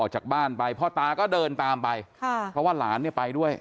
จากบ้านไปพ่อตาก็เดินตามไปค่ะเพราะว่าหลานเนี่ยไปด้วย